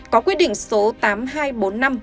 có quyết định số tám trăm hai mươi một đồng